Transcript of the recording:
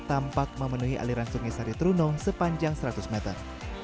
tampak memenuhi aliran sungai saritrunung sepanjang seratus meter